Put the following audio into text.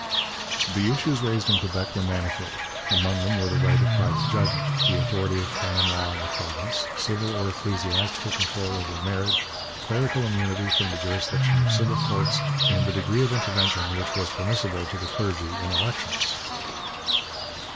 The issues raised in Quebec were manifold. Among them were the right of private judgment, the authority of canon law in the province, civil or ecclesiastical control over marriage, clerical immunity from the jurisdiction of civil courts, and the degree of intervention which was permissible to the clergy in elections.